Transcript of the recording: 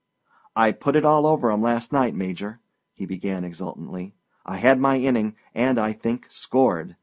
"I put it all over 'em last night, Major," he began exultantly. "I had my inning, and, I think, scored.